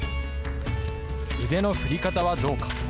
腕の振り方はどうか。